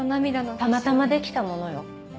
たまたまできたものよ。